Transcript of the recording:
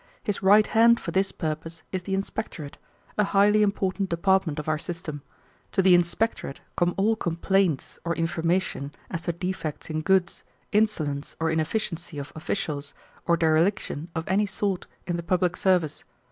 His right hand for this purpose is the inspectorate, a highly important department of our system; to the inspectorate come all complaints or information as to defects in goods, insolence or inefficiency of officials, or dereliction of any sort in the public service.